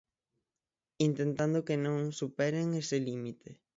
Intentando que non superen ese límite.